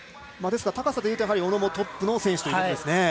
ですから、高さでいうと小野もトップの選手ですね。